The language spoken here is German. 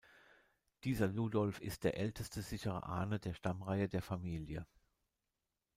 Dieser Ludolf ist der älteste sichere Ahne der Stammreihe der Familie.